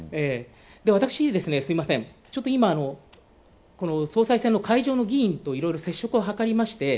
私、すいません、今、総裁選の会場の議員といろいろ接触を図りまして。